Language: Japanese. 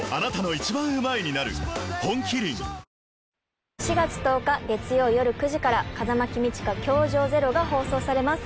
本麒麟４月１０日月曜夜９時から『風間公親−教場０−』が放送されます。